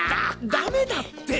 ダメだって！